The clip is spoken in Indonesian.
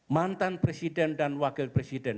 mantan presiden dan wakil presiden